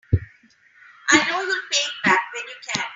I know you'll pay it back when you can.